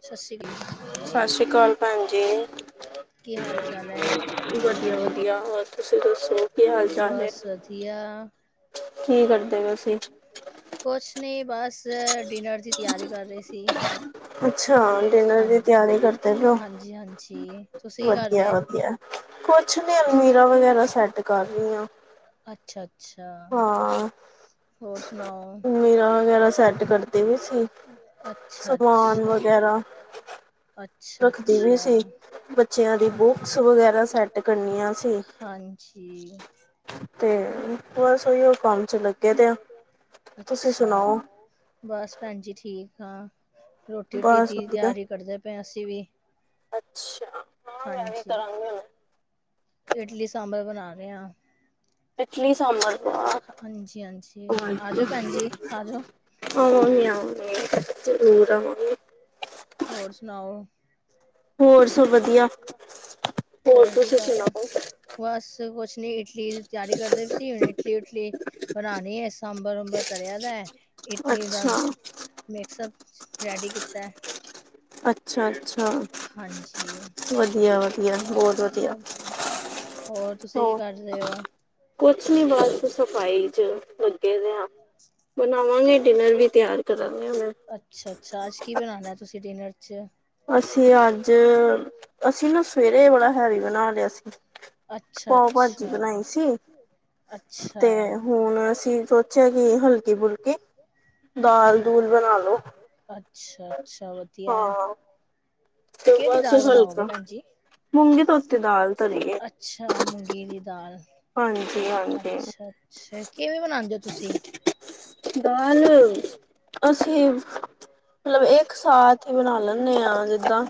ਸਤਿ ਸ਼੍ਰੀ ਜੀ ਸਤਿ ਸ਼੍ਰੀ ਅਕਾਲ ਸਤਿ ਸ਼੍ਰੀ ਅਕਾਲ ਭੈਣ ਜੀ ਕੀ ਹਾਲ ਚਾਲ ਹੈ। ਵਧੀਆ-ਵਧੀਆ ਹੋਰ ਤੁਸੀਂ ਦੱਸੋ ਕੀ ਹਾਲ ਚਾਲ ਹੈ। ਕੁਛ ਨੀ ਬਸ ਡਿਨਰ ਦੀ ਤਿਆਰੀ ਕਰ ਰਹੀ ਸੀ। ਹਾਂ ਹਾਂਜੀ-ਹਾਂਜੀ ਤੁਸੀਂ ਕਰ ਰਹੇ। ਕੁਛ ਨੀ ਅਲਮੀਰਾ ਵਗੈਰਾ ਸੈੱਟ ਕਰ ਰਹੀ ਆਂ। ਅੱਛਾ ਹਾਂ। ਅਲਮੀਰਾ ਵਗੈਰਾ ਸੈਟ ਕਰਦੇ ਪਏ ਸੀ। ਸਮਾਨ ਵਗੈਰਾ ਰੱਖਦੀ ਪਈ ਸੀ ਬੱਚਿਆਂ ਦੀ ਬੁੱਕ ਕਸ ਵਗੈਰਾ ਸੈਟ ਕਰਨੀਆ ਸੀ। ਹਾਂਜੀ ਤੇ ਬਸ ਉਹੀ ਉਹ ਕੰਮ 'ਚ ਲੱਗੇ ਦੇ ਆ ਤੁਸੀਂ ਸੁਣਾਓ। ਬਸ ਭੈਣ ਜੀ ਠੀਕ ਹਾਂ ਰੋਟੀ ਰਟੀ ਦੀ ਤਿਆਰੀ ਕਰਦੇ ਪਏ ਅਸੀਂ ਵੀ ਅੱਛਾ ਹਾਂ ਮੈਂ ਵੀ ਕਰਾਂਗੀ ਹੁਣ ਇਡਲੀ ਸਾਂਬਰ ਬਣਾ ਰਹੇ ਆਂ। ਹਾਂਜੀ-ਹਾਂਜੀ ਆ ਜਾਓ ਭੈਣ ਜੀ ਆ ਜਾਓ। ਆਵਾਂਗੀ-ਆਵਾਂਗੀ ਮ ਜ਼ਰੂਰ ਆਵਾਂਗੀ। ਹੋਰ ਸੁਣਾਓ। ਹੋਰ ਸਭ ਵਧੀਆ ਹੋਰ ਤੁਸੀਂ ਸੁਣਾਓ। ਬਸ ਕੁਛ ਨਹੀਂ ਇਡਲੀ ਦੀ ਤਿਆਰੀ ਕਰਦੇ ਸੀ ਹੁਣ ਇਡਲੀ ਉਡਲੀ ਬਣਾਉਣੀ ਹੈ‌। ਸਾਂਬਰ ਉਂਬਰ ਤਰਿਆ ਤਾਂ ਇਡਲੀ ਦਾ ਮਿਕਸਅਪ ਰੈਡੀ ਕੀ ਕੀਤਾ। ਅੱਛ ਅੱਛਾ-ਅੱਛਾ ਵਧੀਆ-ਵਧੀਆ ਬਹੁਤ ਵਧੀਆ ਹੋਰ ਤੁਸੀਂ ਕੀ ਕਰਦੇ ਹੋ। ਕੁਛ ਨ ਬਸ ਸਫ਼ਾਈ 'ਚ ਲੱਗੇ ਦੇ ਹਾਂ। ਬਣਾਵਾਂਗੇ ਡਿਨਰ ਵੀ ਤਿਆਰ ਕਰਾਂਗੇ ਮੈਂ ਅੱਛਾ-ਅੱਛਾ ਅੱਜ ਕੀ ਬਣਾਣਾ ਤੁਸੀਂ ਡਿਨਰ 'ਚ ਅਸੀਂ ਅੱਜ ਅਸੀਂ ਨਾ ਸਵੇਰੇ ਬੜਾ ਹੈਵੀ ਬਣਾ ਲਿਆ ਸੀ। ਪਾਓ ਭਾਜੀ ਬਣਾਈ ਸੀ। ਤੇ ਹੁਣ ਅਸੀਂ ਸੋਚਿਆ ਕਿ ਹਲਕੀ-ਫੁਲਕੀ ਦਾਲ ਦੂਲ ਬਣਾ ਲੋੋ। ਅੱਛਾ-ਅੱਛਾ ਵਧੀਆ ਹੈ। ਕਿਹੜੀ ਦਾਲ ਬਣਾਓਗੇ ਭੈਣਜੀ। ਅੱਛਾ ਮੁੰਗੀ ਦੀ ਦਾਲ ਹਾਂਜੀ-ਹਾਂਜੀ ਦਾਲ ਅਸੀਂ ਮਤਲਬ ਇਹ ਇੱਕ ਸਾਥ ਹੀ ਬਣਾ ਲੈਂਦੇ ਹਾਂ ਜਿੱਦਾਂ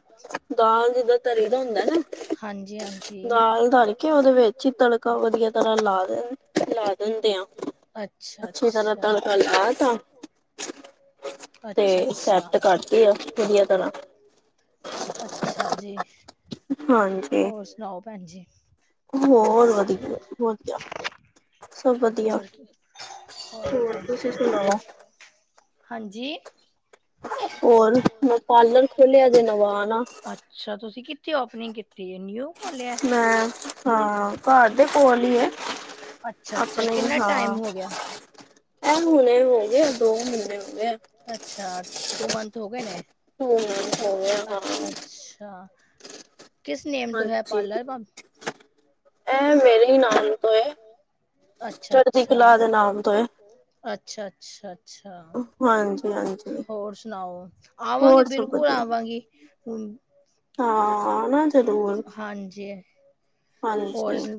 ਦਾਲ ਜਿੱਦਾਂ ਤਰੀ ਦਾ ਹੁੰਦਾ ਨਾ। ਦਾਲ ਧਰ ਕੇ ਉਹਦੇ ਵਿੱਚ ਹੀ ਤੜਕ ਵਧੀਆ ਤਰ੍ਹਾਂ ਲਾ ਦ ਲਾ ਦਿੰਦੇ ਆ ਅੱਛੀ ਤਰਾਂ ਤੜਕਾ ਮਲ ਆ ਤਾਂ ਤੇ ਸੈਪਟ ਕਰਕੇ ਆ ਵਧੀਆ ਤਰ੍ਹਾਂ ਅੱਛਾ ਜੀ ਹੋਰ ਸੁਣਾਓ ਭੈਣ ਜੀ। ਹੋਰ ਵਧੀਆ-ਵਧੀਆ ਹੋਰ-ਹੋਰ ਕੀ ਕਰਦੇ ਭੈਣ ਜੀ ਹਾਂਜੀ। ਹੋਰ ਮੈਂ ਪਾਰਲਰ ਖੋਲਿਆ ਜੇ ਨਵਾਂ ਆਨਾ। ਅੱਛਾ ਤੁਸੀਂ ਕਿੱਥੇ ਓਪਨਿੰਗ ਕੀਤੀ ਹੈ ਨਿਊ ਖੋਲਿਆ। ਮੈਂ ਹਾਂ ਘਰ ਦੇ ਕੋਲ ਹੀ ਹੈ। ਅੱਛਾ-ਅੱਛਾ ਕਿੰਨਾ ਟਾਈਮ ਹੋ ਗਿਆ। ਇਹ ਹੁਣੇ ਹੋ ਗਏ ਆ ਦੋ ਮਹੀਨੇ ਹੋ ਗਏ ਆ। ਅੱਛਾ ਟੂ ਮੰਥ ਹੋ ਗਏ ਨੇ। ਹੂੰ ਹੋ ਗਿਆ ਹਾਂ। ਅੱਛਾ। ਕਿਸ ਨੇਮ ਤੋਂ ਹੈ ਪਾਰਲ ਮੈਮ। ਏ। ਮੇਰੇ ਹੀ ਨਾਮ ਤੋਂ ਹੈ। ਅੱਛਾ -ਅੱਛਾ, ਅੱਛਾ -ਅੱਛਾ। ਅੱਛਾ। ਹੋਰ ਸੁਣਾਓ, ਆਵਾਂਗੀ ਬਿਲਕੁਲ ਆਵਾਂਗੀ। ਹੂੰ ਹਾਂ। ਆ ਨਾ ਜ਼ਰੂਰ। ਹਾਂਜੀ। ਹੋਰ ਸੁ,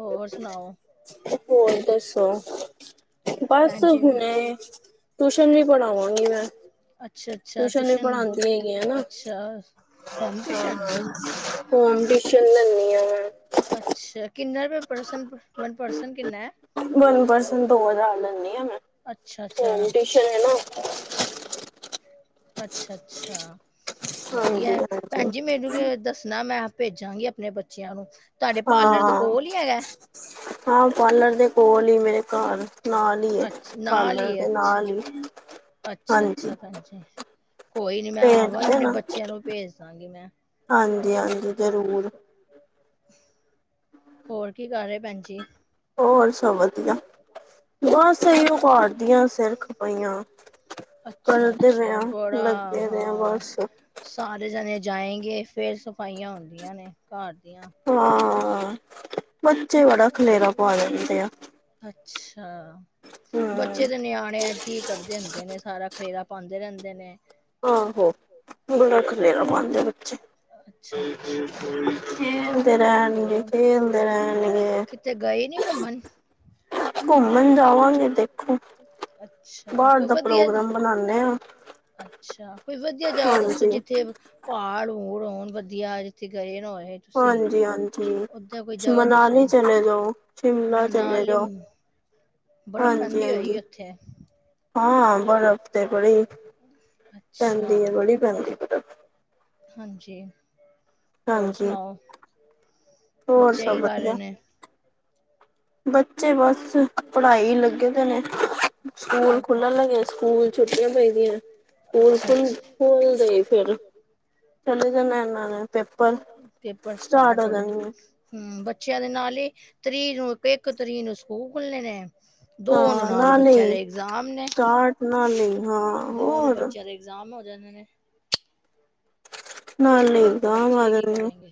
ਹੋਰ ਸੁਣਾਓ। ਹੋਰ ਦੱਸੋ ਬਸ ਹੁਣੇ ਟਿਊਸ਼ਨ ਵੀ ਪੜ੍ਹਾਵਾਂਗੀ ਮੈਂ, ਟਿਊਸ਼ਨ ਵੀ ਪੜ੍ਹਾਉਂਦੀ ਹੈਗੀ ਹੈ ਨਾ। ਦਸ। ਹਾਂ। ਟਿਊਸਨ ਲੈਂਦੀ ਹਾਂ ਮੈਂ। ਅੱਛਾ। ਕਿੰਨਾ ਰੁਪਏ ਪਰਸਨ‌ ਵਨ ਪਰਸਨ ਕਿੰਨਾ ਹੈ, ਅੱਛਾ ਅੱਛਾ। ਚਲੇ ਨਾਂ। ਅੱਛਾ ਅੱਛਾ। ਵਧੀਆ ਐ, ਭੈਣ ਜੀ ਮੈਨੂੰ ਦੱਸਣਾ ਮੈਂ ਭੇਜਾਂਗੀ ਆਪਣੇ ਬੱਚਿਆਂ ਨੂੰ, ਤੁਹਾਡੇ ਪਾਰਲਰ ਦੇ ਕੋਲ ਹੀ ਹੈਗਾ? ਹਾਂ, ਪਾਰਲਰ ਦੇ ਕੋਲ ਐ। ਅੱਛਾ, ਨਾਲ ਹੀ ਹੈ ਅੱਛਾ। ਅੱਛਾ ਅੱਛਾ ਭੈਣ ਜੀ, ਕੋਈ ਨੀ ਮੈਂ ਆਵਾਂਗੀ ਆਪਣੇ ਬੱਚਿਆਂ ਨੂੰ ਭੇਜ ਦਾਂਗੀ ਮੈਂ। ਹਾਂਜੀ ਹਾਂਜੀ ਜ਼ਰੂਰ। ਹੋਰ ਕੀ ਕਰ ਰਹੇ ਭੈਣ ਜੀ? ਹੋਰ ਸਭ ਵਧੀਆ। ਬਸ ਇਹੀ ਉ ਘਾਰਦੀਆਂ ਸਿਰ ਖਪਾਈਆਂ। ਅੱਛਾ ਅੱਛਾ ਬੜਾ ਹਾਂ। ਸਾਰੇ ਜਾਣੇ ਜਾਏਗੇ। ਫੇਰ ਸਫ਼ਾਈਆਂ ਹੁੰਦੀਆਂ ਨੇ ਘਰ ਦੀਆਂ। ਹਾਂ, ਬੱਚੇ ਬੜਾ ਖਲੇਰਾ ਪਾ ਜਾਂਦੇ ਆ। ਅੱਛਾ। ਬੱਚੇ ਤੇ ਨਿਆਣੇ, ਇਦੇ ਹੀ ਕੱਢਦੇ ਹੁੰਦੇ ਨੇ ਸਾਰਾ ਖੇਰਾ ਪਾਉਂਦੇ ਰਹਿੰਦੇ ਨੇ। ਆਹੋ। ਪੂਰਾ ਖਲੇਰਾ ਪਾਉਂਦੇ ਆ ਬੱਚੇ। ਖੇਲਦੇ ਰਹਿਣਗੇ-ਖੇਲਦੇ ਰਹਿਣਗੇ। ਤੇ ਗਏ ਨੀ ਘੁੰਮਣ? ਹਲੇ ਜਾਵਾਂਗੇ ਪੇਕੇ, ਅੱਛਾ ਕੋਈ ਵਧੀਆ ਜੀ, [unintelligible] ਅੱਛਾ। ਕੋਈ ਵਧੀਆ ਜਗ੍ਹਾ ਦੱਸੋ ਜਿੱਥੇ ਪਹਾੜ ਹੋੜਾ ਹੋਣ ਵਧੀਆ। ਜਿੱਥੇ ਗਏ ਨ ਹੋਵੋ ਤੁਸੀਂ, ਓਦਰ ਕੋਈ ਜਗ੍ਹਾ ਦੱਸੋ। ਮਨਾਲੀ ਘੁੰਮੇ ਆਓ। ਮਨਾਲੀ ਬਰਫ਼ ਪੈਂਦੀ ਹੋਣੀ ਉਥੇ, ਹਾਂ। ਅੱਛਾ। [unintelligible] ਹਾਂਜੀ। ਹੋਰ ਸੁਣਾਓ, ਬੱਚੇ ਕੀ ਕਰ ਰਹੇ ਨੇ। ਬੱਚੇ ਬਸ ਪੜ੍ਹਾਈ ਲੱਗੇ ਪੇ ਨੇ। ਸਕੂਲ ਖੁੱਲਣ ਗਏ। ਸਕੂਲ ਛੁੱਟੀਆਂ ਪਈ ਪੀਆ ਹੈ। ਬਿਲਕੁਲ [unintelligible] [unintelligible] ਪੇਪਰ ਸਟਾਰਟ ਹੋ ਜਾਏ। ਹੂੰ, ਬੱਚਿਆਂ ਦੇ ਨਾਲ ਹੀ, ਤਰੀਕ ਨੂੰ ਇੱਕ-ਇੱਕ ਤਰੀਕ ਨੂੰ ਸਕੂਲ ਖੁੱਲਣੇ ਨੇ। ਦੋ ਨੂੰ ਉਹਨਾਂ ਦੇ ਬੱਚਿਆਂ ਦੇ ਇਗਜ਼ਾਮ ਨੇ, ਦੋ ਨੂੰ ਬੱਚਿਆਂ ਦੇ ਇਗਜਾਮ ਹੋ ਜਾਣੇ ਨੇ। ਹੁਣ ਬੱਚੇ ਕੀ ਕਰੇਂਗੇ,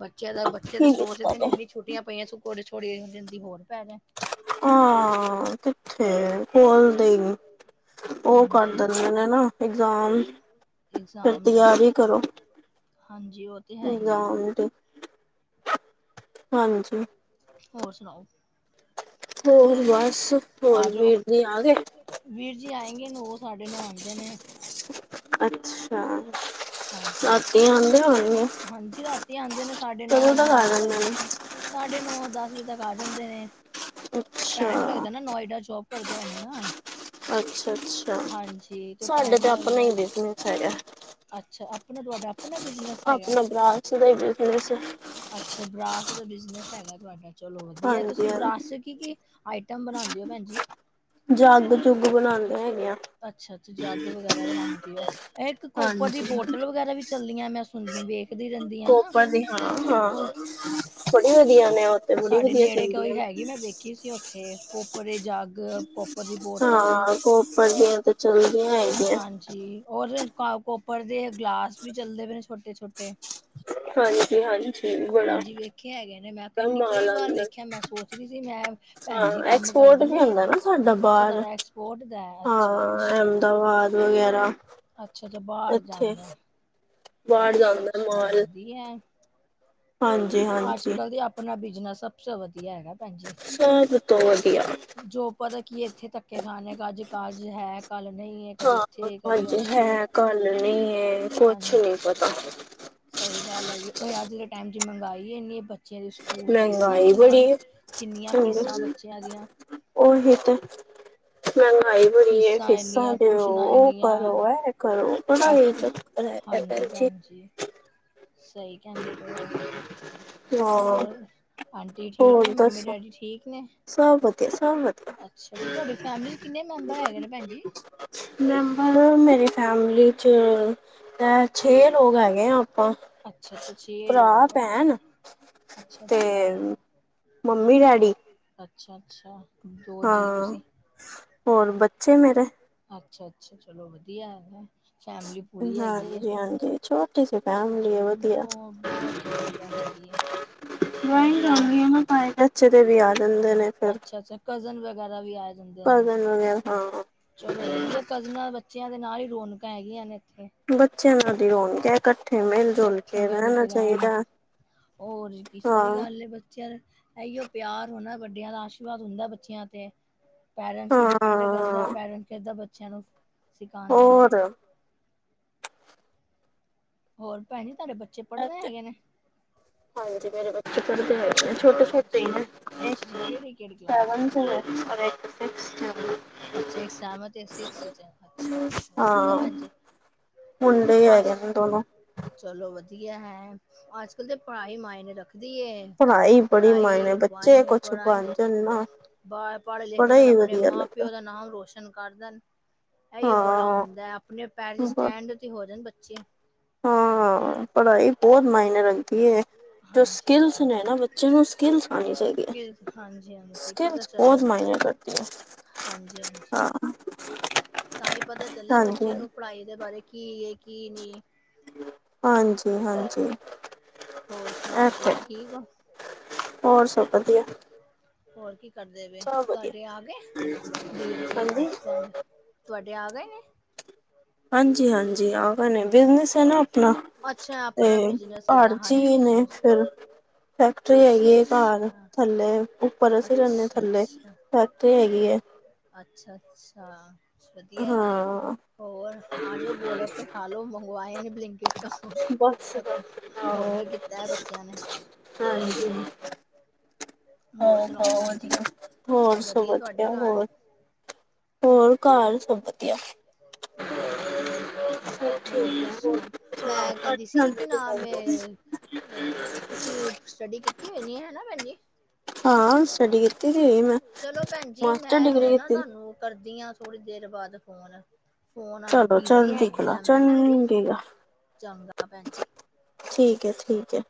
ਬੱਚੇ ਤਾਂ ਬੱਚੇ ਤਾਂ ਸੋਚਦੇ ਨੇ ਇੰਨੀਆਂ ਛੁੱਟੀਆਂ ਪਈਆਂ ਸਕੂ ਥੋੜੇ- ਥੋੜੋ ਦਿਨ ਦੀ ਹੋਰ ਪੈ ਜਾਏ। ਹਾਂ। ਕਿਥੇ ਖੋਲਦੇ ਨੀ। ਉਹ ਕਰ ਦਿੰਦੀਆਂ ਨੇ ਨਾ। ਇੰਗਜ਼ਾਮ ਫਿਰ ਤਿਆਰ ਕਰੋ। ਹਾਂਜੀ। ਉਹ ਬਲਾਉਣਗੇ ਤੇ ਹਾਂਜੀ। ਹੋਰ ਸੁਣਾਓ? ਹੋਰ ਬਾਸ, ਹੋਰ ਵੀਰ ਜੀ ਆ ਗਏ? ਵੀਰ ਜੀ ਆਏਂਗੇ ਨੋ ਸਾਡੇ ਨੋ ਆਂਦੇ ਨੇ। ਅੱਛਾ। ਹਾਂਜੀ, ਹ ਹਾਂਜੀ ਰਾਤੀ ਆਂਦੇ ਨੇ ਸਾਡੇ ਨੋ-ਨੋ ਕਦੇ ਸਾਡੇ ਨੋ ਦਸ ਵਜੇ ਤੱਕ ਆ ਜਾਂਦੇ ਨੇ, ਟੈਮ ਲੱਗਦਾ ਨਾ ਨੋਏੜਾ ਚੋ ਪਰ ਜਾਏ ਨੇ ਨਾ ਅੱਛਾ-ਅੱਛਾ, ਸਾਡੇ ਤੇ ਅਪਨਾ ਈ ਬਿਜ਼ਨਸ ਹੈਗੈ। ਅੱਛਾ, ਅਪਨਾ ਤੁਆਡਾ? [inaudible] ਅੱਛਾ, ਬ੍ਰਾਸ ਦਾ ਬਿਜਨਸ ਹੈਗੈ ਤੁਹਾਡਾ। ਚਲੋ ਵਦੀਆ, ਤੁਸੀਂ ਬ੍ਰਾਸ ਚ ਕੀ-ਕੀ ਆਈਟਮ ਬਨਾਂਦੇ ਓ ਭੈਨ ਜੀ? ਜਾੱਗ-ਜੁੱਗ ਬਣਾਂਦੇ ਹੈਗੇ ਆਂ। ਅੱਛਾ-ਅੱਛਾ, ਜੱਗ ਵਗੈਰਾ ਬਣਾਂਦੇ ਏ ਓ ਅ ਇੱਕ ਕੋਪਰ ਦੀ ਬੋਟਲ ਵਗੈਰਾ ਵੀ ਚੱਲੀ ਆ ਮੈਂ ਸੁਣਦੀ ਵੇਖ। ਕੋਪਰ ਦੀ ਹਾਂ, ਹਾਂ ਵੜੀ ਵਦੀਆ ਨੇ ਓ ਤੇ ਬੜੀ ਵਦੀਆ ਚਲਦੀਆ ਨ। ਮੈਂ ਵੇਖੀ ਸੀ ਓਥੇ। ਕੋਪਰ ਦੇ ਜਾੱਗ, ਕੋਪਰ ਦੀ ਬੋਟਲ ਅ ਹਾਂਜੀ। ਜੀ, ਔਰ ਜ ਕੋਪਰ ਦੇ ਗਲਾਸ ਵੀ ਚੱਲਦੇ ਪਏ ਨੇ ਛੋਟੇ-ਛੋਟੇ। ਹਾਂਜੀ-ਹਾਂਜੀ, ਬੜਾ। ਹੈਗੇ ਨੇ, ਮੈਂ ਕੈਂਦੀ ਕਈ ਵਾਰ ਵੇਖੇਆ ਮੈਂ ਸੋਚਰੀ ਸੀ ਮੈਂ ਭੈਨਜੀ ਕਾੰਮ ਕਰਦੇ ਨੇ? ਅੱਛਾ ਤੁਆਡਾ ਐਕਸਪੋਰਟ ਦਾ ਐ ਅੱਛਾ-ਅੱਛਾ। ਵਗੈਰਾ ਅੱਛਾ-ਅੱਛਾ, ਬਾਰ ਜਾਂਦੈ ਅੱਛਾ-ਅੱਛਾ ਵਦੀਆ ਏ। ਆਜ-ਕਲ ਤੇ ਅਪਨਾ ਬਿਜ਼ਨਸ ਸਬ ਸੇ ਵਦੀਆ ਹੈਗੈ ਭੈਨ ਜੀ। ਜੋ ਪਤਾ ਕੀ ਏ ਇੱਥੇ ਧੱਕੇ ਖਾਨ ਆੱਜ ਕਾਰਜ ਹੈ, ਕਾੱਲ ਨਈ ਏ। ਹਾਂ, ਅੱਜ ਹੈ ਕੱਲ ਨਈ ਏ, ਕੋਛ ਨੀ ਪਤਾ। ਸਈ ਗਾੱਲ ਹੈਗੀ, ਓਈ ਆੱਜ ਦੇ ਟਾਈਮ 'ਚ ਮੰਗਾਈ ਐਨੀ ਬ ਬੱਚੇਆਂ ਦੇ ਸਕੂਲ ਫੀਸਾਂ ਈ ਨੀ ਮਾਣ, ਕਿੰਨੀਆਂ ਫੀਸਾਂ ਬੱਚੇਆਂ ਦੀਆਂ। ਓਈ ਤੇ। ਮੈਂਗਾਈ ਬੜੀ ਏ, ਫੀਸਾ ਤੇ ਓ ਓ ਕਰੋ ਐ ਕਰੋ ਪੜਾਈ ਚ ਹਾਂਜੀ ਭੈਨ ਜੀ। ਸਈ ਕੈਂਦੇ ਪਏ ਓ, ਹੋਰ? ਆਂਟੀ ਠੀਕ ਨੇ ਮੰਮੀ-ਡੈੜੀ ਠੀਕ ਨੇ? ਸਬ ਵਦੀਆ, ਸਬ ਵਦੀਆ। ਕਿੰਨੇ ਮੈਂਬਰ ਹੈਗੇ ਨੇ ਭੈਨ ਜੀ? ਮੈਂਬਰ, ਮੇਰੀ ਫੈਮਲੀ 'ਚ ਐ ਛੇ ਲੋਗ ਹੈਗੇ ਆਂ ਆੱਪਾਂ, ਭਰਾ-ਭੈਨ ਤੇ, ਮੰਮੀ-ਡੈੜੀ। ਅੱਛਾ-ਅੱਛਾ। ਹਾਂ, ਹੋਰ ਬੱਚੇ ਮੇਰੇ। ਅੱਛਾ-ਅੱਛਾ, ਚਲੋ ਵਦੀਆ ਹੈਗੈ ਫੈਮਲੀ ਪੂਰੀ ਹੈਗੀ ਏ। ਛੋਟੀ ਸੀ ਫੈਮਲੀ ਏ ਵਦੀਆ। [unintelligible] ਤਾਏ-ਚਾਚੇ ਦੇ ਵੀ ਆ ਜਾਂਦੇ ਨੇ ਫੇਰ। ਕਜ਼ਨ ਵਗੈਰਾ ਵੀ ਆ ਜਾਂਦੇ ਨੇ। ਚਲੋ ਵਦੀਆ, ਕਜ਼ਨਾਂ ਬੱਚੇਆਂ ਦੇ ਨਾਲ਼ ਈ ਰੋਨਕਾਂ ਹੈਗੀਆਂ ਨੇ ਐਥੇ। ਬੱਚੇਆਂ ਨਾਲ ਈ ਰੋਨਕਾ ਏ ਘ ਕੱਠੇ ਮੇਲਦੇ ਰੈਨ, ਹੋਰ ਕੀ ਸਈ ਗਾੱਲ ਐ ਬੱਚੇਆਂ ਦੇ। ਐਈਓ ਪੇਆਰ ਹੋਨਾ ਵੱਡੇਆਂ ਦਾ ਆਸ਼ੀਰਵਾਦ ਹੋਂਦਾ ਬੱਚੇਆਂ ਤੇ। ਪੈਰੇਂਟਸ ਤੇ ਡਿਪੈਂਡ ਕਰਦੈ, ਪੈਰੇਂਟਸ ਕਿੱਦਾਂ ਬੱਚੇਆਂ ਨੂੰ ਸਿਖਾਂਦੇ ਨੇ। ਹੋਰ ਭੈਣੇ ਤੁਹਾਡੇ ਬੱਚੇ ਪੜ੍ਹਦੇ ਹੈਗੇ ਨੇ। ਹਾਂਜੀ ਮੇਰੇ ਬੱਚੇ ਪੜ੍ਹਦੇ ਹੈਗੇ ਛੋਟੇ ਛੋਟੇ ਨੇ ਸੈਵਨਥ 'ਚ ਹੈ। ਔਰ ਇੱਕ [unintelligible] ਅੱਛਾ ਇੱਕ ਸੈਵਨ 'ਚ ਤੇ ਇੱਕ ਸਿਕਸ 'ਚ ਵਧੀਆ ਹੈ ਭੈਣ ਜੀ। ਮੁੰਡੇ ਈ ਹੈਗੇ ਨੇ ਦੋਨੋ। ਚਲੋ ਵਧੀਆ ਐ ਅੱਜ ਕੱਲ ਤੇ ਪੜ੍ਹਾਈ ਹੀ ਮਾਇਨੇ ਰੱਖਦੀ ਐ। ਪੜ੍ਹਾਈ ਬੜੀ ਮਾਇਨੇ ਬੱਚੇ ਕੁਛ ਬਣ ਜਾਣ ਨਾ। ਪੜ੍ਹ ਪੜ੍ਹ ਲਿਖਕੇ ਨਾ ਆਪਣੇ ਮਾਂ ਪਿਓ ਦਾ। ਨਾਮ ਰੋਸ਼ਨ ਕਰ ਦੇਣ ਇਹ ਬੜਾ ਹੁੰਦਾ ਹੈ। ਆਪਣੇ ਪੈਰ ਸਟੈਂਡ। ਤੇ ਹੋ ਜਾਣ ਬੱਚੇ। ਹੂੰ ਪੜ੍ਹਾਈ ਬਹੁਤ ਮਾਇਨੇ ਰੰਦੀ ਹੈ ਜੋ ਸਕਿਲਸ ਨੇ ਨਾ ਬੱਚੇ ਨੂੰ ਸਕਿਲਸ ਆਣੀ ਚ ਹਾਂਜੀ ਹਾਂਜੀ ਪਤਾ ਚੱਲਿਆ ਹਾਂਜੀ ਹਾਂਜੀ ਤਾਂ ਹੀ ਪਤਾ ਚੱਲਦਾ ਬੱਚਿਆਂ ਨੂੰ ਪੜ੍ਹਾਈ ਦੇ ਬਾਰੇ ਕੀ ਏ ਕੀ ਨਹੀਂ ਹਾਂਜੀ ਹਾਂਜੀ ਇਹ ਤਾਂ ਹੈ ਹੋਰ ਸਭ ਵਧੀਆ ਹੋਰ ਕੀ ਕਰਦੇ ਵ ਤੁਹਾਡੇ ਆ ਗਏ ਵੀਰ ਜੀ ਹਸਬੈਂਡ ਤੁਹਾਡੇ ਆ ਗਏ ਨੇ ਹਾਂਜੀ ਹਾਂਜੀ ਆ ਗੇ ਨੇ ਬਿਜਨਸ ਐ ਨਾ ਹਨ ਤੇ ਘਰ ਚ ਨੇ ਫਿਰ ਫੈਕਟਰੀ ਹੈਗੀ ਹੈ ਘਰ ਥੱਲੇ ਉੱਪਰ ਅਸੀਂ ਰਹਿੰਦੇ ਹਾਂ ਥੱਲੇ ਫੈਕਟਰੀ ਹੈਗੀ ਐ ਅੱਛਾ ਅੱਛਾ ਵਧੀਆ ਹੋਰ ਆ ਜਓ ਗੋਲਗੱਪੇ ਖਾ ਲੋ ਮੰਗਵਾਏ ਨੇ ਬਲਿੰਕ [unintelligible] ਔਡਰ ਕੀਤਾ ਐ ਬੱਚਿਆਂ ਨੇ ਹਾਂਜੀ ਹਾਂ ਹਾਂ ਵਧੀਆ ਹੋਰ ਸਭ ਵਧੀਆ ਹੋਰ ਹੋਰ ਘਰ ਸਭ ਵਧੀਆ ਹੋਰ ਦੱਸੋ ਮੈਂ ਕਹਿੰਦੀ ਸੀ ਕਿ ਨਾ ਮੈਂ ਤੁਸੀਂ ਸਟੱਡੀ ਕੀਤੀ ਹੋਣੀ ਐ ਹਨਾ ਭੈਣਜੀ ਹਾਂ ਚਲੋ ਭੈਣ ਜ ਮੈਂ ਹੁਣੇ ਨਾ ਤੁਹਾਨੂੰ ਕਰਦੀ ਆਂ ਥੋੜ੍ਹੀ ਦੇਰ ਬਾਅਦ ਫੋਨ ਫੋਨ ਆ ਬਿਜੀ ਹੈਗੀ ਆ ਮੈਂ ਹਜੀ ਚੰਗਾ ਭੈਣਜੀ ਠੀਕ ਐ ਠੀਕ ਐ